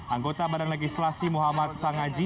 anggota badan legislasi muhammad sangaji